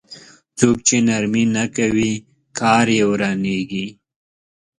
څوک چې نرمي نه کوي کار يې ورانېږي.